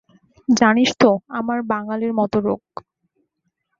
জানিস তো আমার বাঙালের মত রোক।